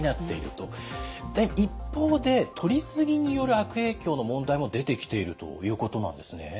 で一方でとりすぎによる悪影響の問題も出てきているということなんですね？